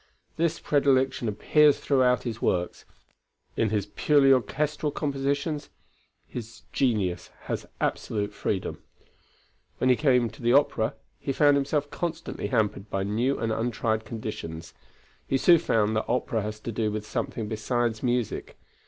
This predilection appears throughout his works. In his purely orchestral compositions, his genius has absolute freedom. When he came to opera he found himself constantly hampered by new and untried conditions. He soon found that opera has to do with something besides music.